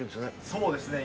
そうですね。